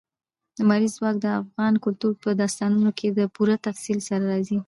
لمریز ځواک د افغان کلتور په داستانونو کې په پوره تفصیل سره راځي.